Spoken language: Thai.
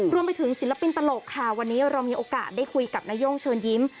ศิลปินตลกค่ะวันนี้เรามีโอกาสได้คุยกับนาย่งเชิญยิ้ม